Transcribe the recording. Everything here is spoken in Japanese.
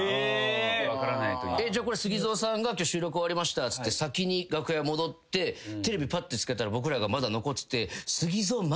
これＳＵＧＩＺＯさんが今日収録終わりましたっつって先に楽屋戻ってテレビぱってつけたら僕らがまだ残ってて。